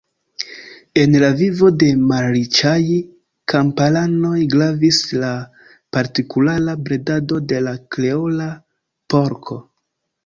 En la vivo de malriĉaj kamparanoj gravis la partikulara bredado de la Kreola porko.